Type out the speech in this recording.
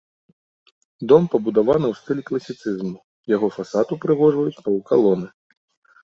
Дом пабудаваны ў стылі класіцызму, яго фасад упрыгожваюць паўкалоны.